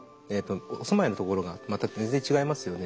お住まいのところが全然違いますよね。